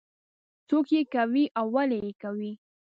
څوک یې کوي او ولې یې کوي.